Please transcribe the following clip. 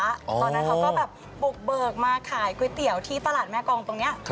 ตอนนั้นเขาก็แบบบุกเบิกมาขายก๋วยเตี๋ยวที่ตลาดแม่กองตรงนี้